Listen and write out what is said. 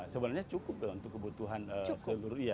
sebenarnya cukup untuk kebutuhan seluruhnya